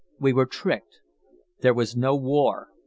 We were tricked. There was no war.